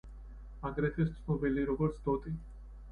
აგრეთვე ცნობილი როგორც დოტი.